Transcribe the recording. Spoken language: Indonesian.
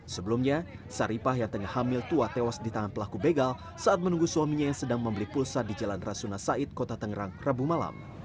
sebelumnya saripah yang tengah hamil tua tewas di tangan pelaku begal saat menunggu suaminya yang sedang membeli pulsa di jalan rasuna said kota tangerang rabu malam